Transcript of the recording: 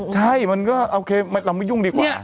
ใช่มันก็โอเคเราไม่ยุ่งดีกว่า